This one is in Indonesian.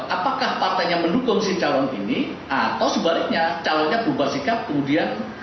apakah partainya mendukung si calon ini atau sebaliknya calonnya berubah sikap kemudian